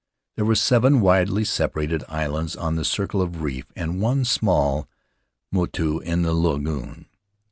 There were seven widely separated islands on the circle of reef and one small motu in the lagoon.